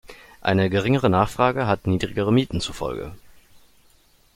Eine geringere Nachfrage hat niedrigere Mieten zur Folge.